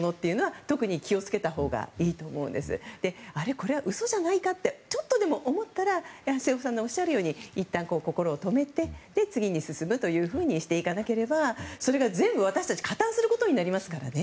これは嘘じゃないかってちょっとでも思ったら瀬尾さんのおっしゃるようにいったん心を止めて次に進むというふうにしなければそれが全部、私たち加担することになりますからね。